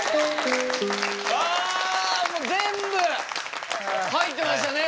あもう全部入ってましたね！